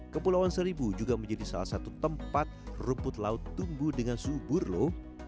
kepulauan seribu juga menjadi salah satu tempat rumput laut tumbuh dengan subur loh